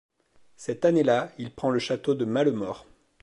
Cette année-là, il prend le château de Malemort.